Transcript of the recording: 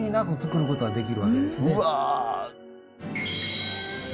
うわ！